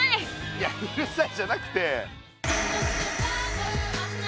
いやうるさいじゃなくて。